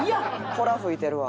ほら吹いてるわ。